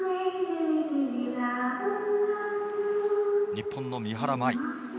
日本の三原舞依。